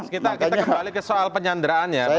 kita kembali ke soal penyanderaan ya pak mas hinton